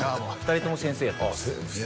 ２人とも先生やってます